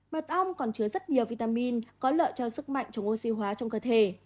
mật ong còn chứa rất nhiều vitamin có lợi cho sức mạnh chống ô siu hóa trong cơ thể